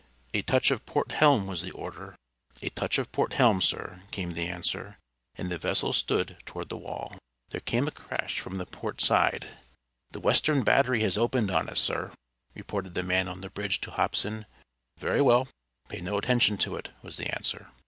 "A touch of port helm!" was the order. "A touch of port helm, sir," came the answer; and the vessel stood toward the wall. There came a crash from the port side. "The western battery has opened on us, sir!" reported the man on the bridge to Hobson. "Very well; pay no attention to it," was the answer.